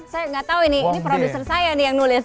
saya nggak tau ini ini produser saya yang nulis